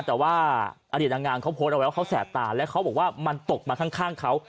แต่ว่าอดีตนางงามเขาโพสต์เอาไว้ว่าเขาแสบตาแล้วเขาบอกว่ามันตกมาข้างเขา